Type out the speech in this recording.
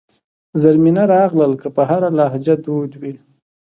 زرمینه راغلل که په هره لهجه دود وي.